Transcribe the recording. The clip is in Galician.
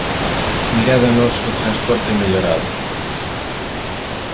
Mirade o noso transporte mellorado!